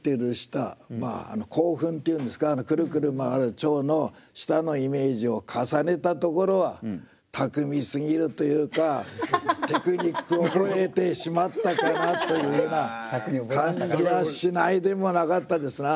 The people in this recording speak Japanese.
口ふんっていうんですかくるくる回る蝶の舌のイメージを重ねたところは巧みすぎるというかテクニック覚えてしまったかなというような感じはしないでもなかったですな。